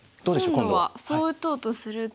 今度はそう打とうとすると。